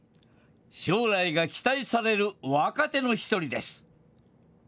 将来が期待される若手の一人です。